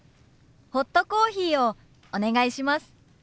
ホットコーヒーをお願いします。